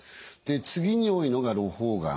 次に多いのがろ胞がん